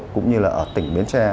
cũng như là ở tỉnh bến tre